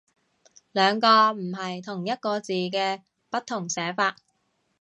兩個唔係同一個字嘅不同寫法